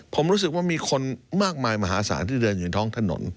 ผมรู้สึกว่ามีคนมากมายมหาศาลที่เดินอยู่ท้องถนน